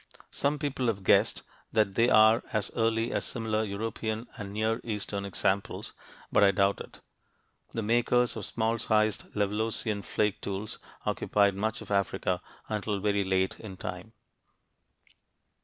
Some people have guessed that they are as early as similar European and Near Eastern examples, but I doubt it. The makers of small sized Levalloisian flake tools occupied much of Africa until very late in time.